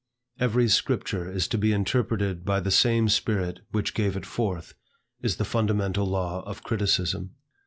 "Every scripture is to be interpreted by the same spirit which gave it forth," is the fundamental law of criticism.